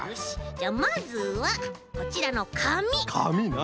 じゃあまずはこちらのかみ。かみな。